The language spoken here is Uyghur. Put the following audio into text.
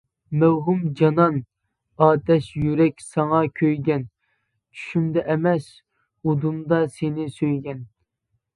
مەۋھۇم جانان، ئاتەش يۈرەك ساڭا كۆيگەن، چۈشۈمدە ئەمەس، ئۇدۇمدا سېنى سۆيگەن.